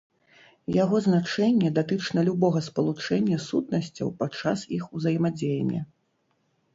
Яго значэнне датычна любога спалучэння сутнасцяў падчас іх узаемадзеяння.